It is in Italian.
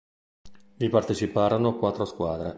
Vi parteciparono quattro squadre.